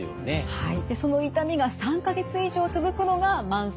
はい。